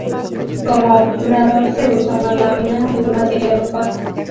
Como obturador se usa una lámina de un material opaco.